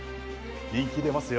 人気出ますよ